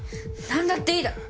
何だっていいだろ。